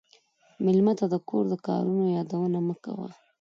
مېلمه ته د کور د کارونو یادونه مه کوه.